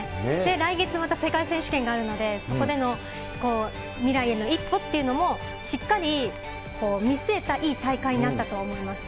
来月、また世界選手権があるので、そこでの未来への一歩っていうのも、しっかり見据えたいい大会になったと思います。